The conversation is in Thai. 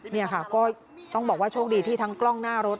นี่ค่ะก็ต้องบอกว่าโชคดีที่ทั้งกล้องหน้ารถ